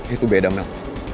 itu beda mel